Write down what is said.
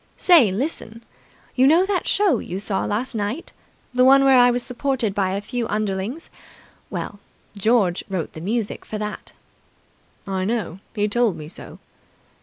Say, listen! You know that show you saw last night. The one where I was supported by a few underlings. Well, George wrote the music for that." "I know. He told me so."